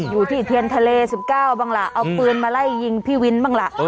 อยู่ที่เทียนทะเล๑๙บ้างล่ะเอาปืนมาไล่ยิงพี่วินบ้างล่ะ